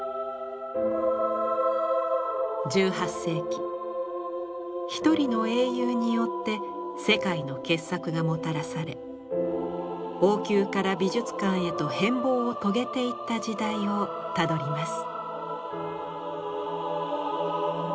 １８世紀一人の英雄によって世界の傑作がもたらされ王宮から美術館へと変貌を遂げていった時代をたどります。